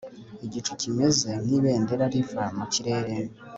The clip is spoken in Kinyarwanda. Igicu kimeze nkibendera riva mu kirere